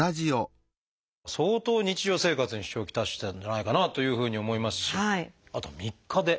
相当日常生活に支障を来してたんじゃないかなというふうに思いますしあと３日で。